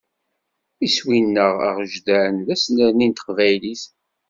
Iswi-nneɣ agejdan d asnerni n teqbaylit.